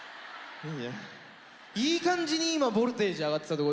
いい感じに今ボルテージ上がってたとこ。